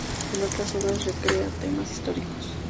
En otras obras recrea temas históricos.